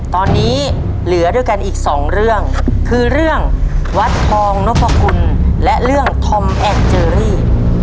ตอนนี้เหลือด้วยกันอีกสองเรื่องคือเรื่องวัดทองนพคุณและเรื่องธอมแอนเจอรี่